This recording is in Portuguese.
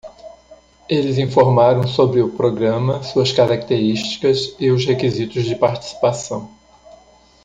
Eles informarão sobre o programa, suas características e os requisitos de participação.